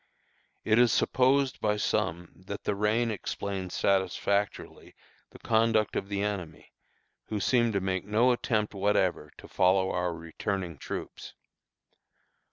It is supposed by some that the rain explains satisfactorily the conduct of the enemy, who seemed to make no attempt whatever to follow our returning troops.